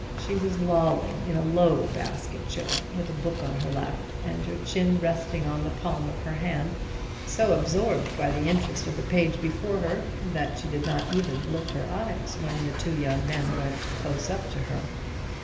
She was lolling in a low basket chair, with a book on her lap, and her chin resting on the palm of her hand, so absorbed by the interest of the page before her that she did not even lift her eyes when the two young men went close up to her.